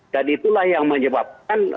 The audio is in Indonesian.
dan itulah yang menyebabkan